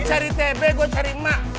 lo cari tebek gue cari emak